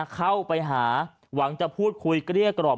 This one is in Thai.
เข้าไปหาหวังจะพูดคุยเกลี้ยกรอบ